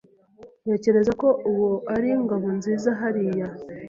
Ntekereza ko uwo ari Ngabonziza hariya